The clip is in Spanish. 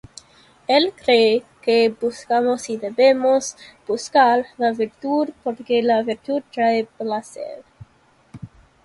Él cree que buscamos y debemos buscar la virtud porque la virtud trae placer.